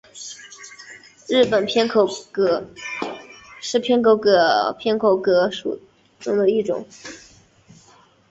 日本偏口蛤是偏口蛤科偏口蛤属的一种。